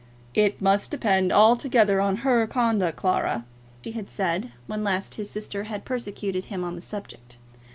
"It must depend altogether on her conduct, Clara," he had said when last his sister had persecuted him on the subject.